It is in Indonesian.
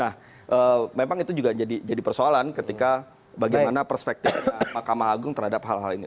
nah memang itu juga jadi persoalan ketika bagaimana perspektif mahkamah agung terhadap hal hal ini